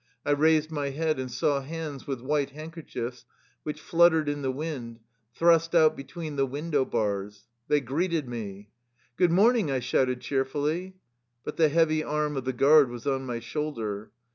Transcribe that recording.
I raised my head and saw hands with white handkerchiefs, which fluttered in the wind, thrust out between the window bars. They greeted me. " Good morning !" I shouted cheerfully. But the heavy arm of the guard was on my shoulder.